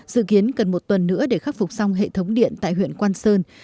dự kiến cần một tuần nữa để khắc phục xong hệ thống điện tại huyện quang sơn